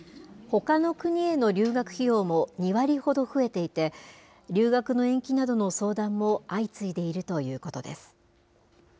ほかの国への留学費用も２割ほど増えていて、留学の延期などの相談も相次いでいるということです。